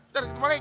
dari kitu balik